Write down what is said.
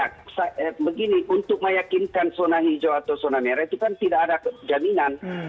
karena begini untuk meyakinkan zona hijau atau zona merah itu kan tidak ada jaminan